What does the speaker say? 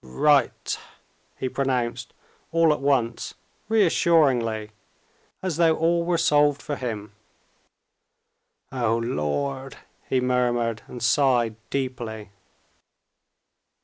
"Right!" he pronounced all at once reassuringly, as though all were solved for him. "O Lord!" he murmured, and sighed deeply.